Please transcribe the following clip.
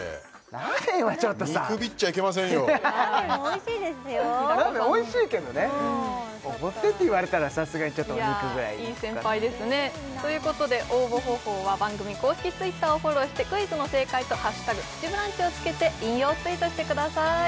ラーメンおいしいけどねおごってって言われたらさすがにお肉ぐらいいい先輩ですねということで応募方法は番組公式Ｔｗｉｔｔｅｒをフォローしてクイズの正解と「＃プチブランチ」をつけて引用ツイートしてください